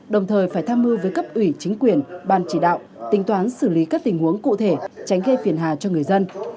đồng thời phải tham mưu với cấp ủy chính quyền ban chỉ đạo tính toán xử lý các tình huống cụ thể tránh gây phiền hà cho người dân